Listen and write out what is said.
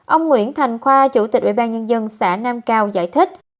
ông nguyễn thành khoa chủ tịch ubnd xã nam cao giải thích